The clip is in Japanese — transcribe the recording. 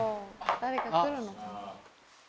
誰か来るのかな？